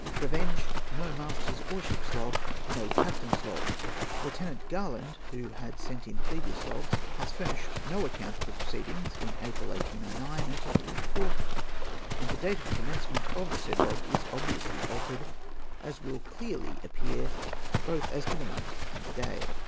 Revenge. No Master's or ship's log. No Captain's log. Lieut. Garland, who had sent in previous logs has fur nished no account of the j^i'oceedings in April 1809 until the 24th, and the date of the commencement of the said log is obviously altered, as will clearly appear both as to the month and the day.